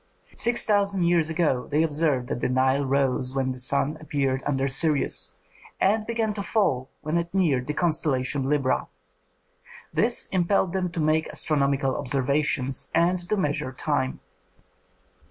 Six thousand years ago they observed that the Nile rose when the sun appeared under Sirius, and began to fall when it neared the constellation Libra. This impelled them to make astronomical observations and to measure time.